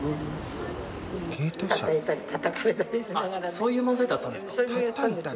そういうのをやったんですよ。